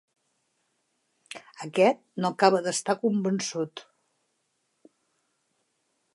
Aquest no acaba d'estar convençut.